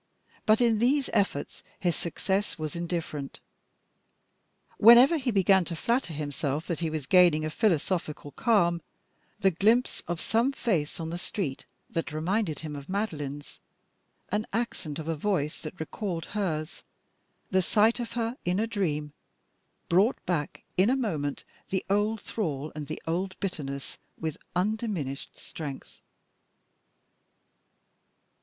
But in these efforts his success was indifferent. Whenever he began to flatter himself that he was gaining a philosophical calm, the glimpse of some face on the street that reminded him of Madeline's, an accent of a voice that recalled hers, the sight of her in a dream, brought back in a moment the old thrall and the old bitterness with undiminished strength.